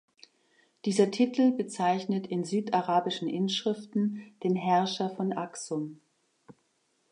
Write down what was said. Dieser Titel bezeichnet in südarabischen Inschriften den Herrscher von Axum.